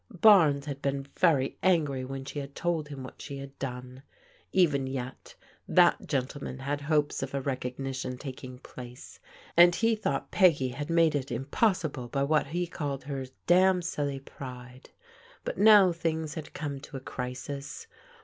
Barnes had been very angry when she had told him what she had done. Even yet, that gentleman had hopes of a recognition taking place, and he thought Peggy had made it impossible by what he called "her silly pride." But now things had come to a crisis.